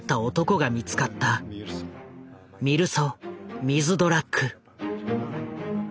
ミルソ・ミズドラック。